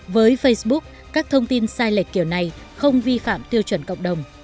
với facebook các thông tin sai lệch kiểu này không vi phạm tiêu chuẩn cộng đồng